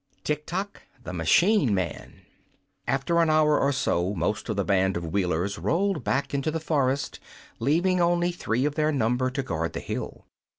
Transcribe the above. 4. Tiktok the Machine Man After an hour or so most of the band of Wheelers rolled back into the forest, leaving only three of their number to guard the hill.